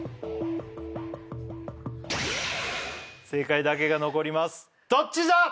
正解だけが残りますどっちだ？